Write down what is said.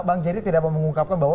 bang jerry tidak mau mengungkapkan bahwa